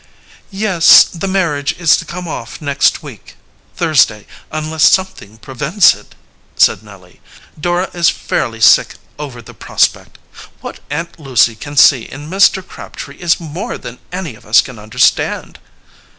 "Yes, the marriage is to come off next week, Thursday, unless something prevents it," said Nellie. "Dora is fairly sick over the prospect. What Aunt Lucy can see in Mr. Crabtree is more than any of us can understand."